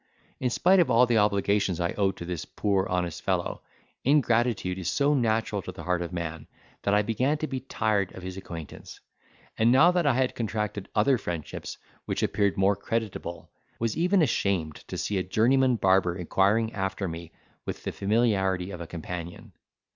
In spite of all the obligations I owed to this poor, honest fellow, ingratitude is so natural to the heart of man, that I began to be tired of his acquaintance: and now that I had contracted other friendships which appeared more creditable, was even ashamed to see a journeyman barber inquiring after me with the familiarity of a companion.